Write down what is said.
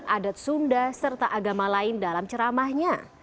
adat sunda serta agama lain dalam ceramahnya